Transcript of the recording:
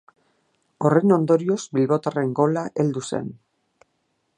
Horren ondorioz bilbotarren gola heldu zen.